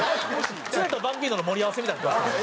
ツネとバンビーノの盛り合わせみたいになってます。